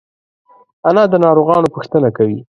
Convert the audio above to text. انا د ناروغانو پوښتنه کوي